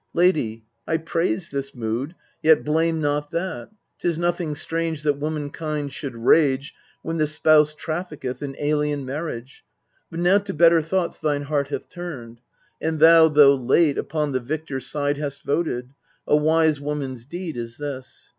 Lady, I praise this mood, yet blame not that : Tis nothing strange that womankind should rage When the spouse trafficketh in alien marriage. But now to better thoughts thine heart hath turned, And thou, though late, upon the victor side Hast voted : a wise woman's deed is this.